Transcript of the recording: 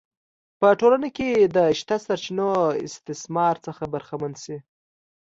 په ټولنه کې د شته سرچینو استثمار څخه برخمن شي.